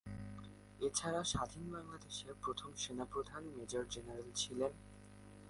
এছাড়া স্বাধীন বাংলাদেশের প্রথম সেনাপ্রধান মেজর জেনারেল ছিলেন।